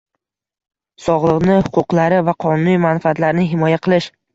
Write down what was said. sog‘lig‘ini, huquqlari va qonuniy manfaatlarini himoya qilish